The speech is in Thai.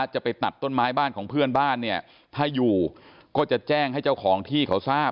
จะไปตัดต้นไม้บ้านของเพื่อนบ้านเนี่ยถ้าอยู่ก็จะแจ้งให้เจ้าของที่เขาทราบ